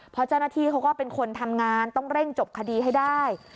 เพราะเจ้าหน้าที่เขาก็เป็นคนทำงานต้องเร่งจบคดีให้ได้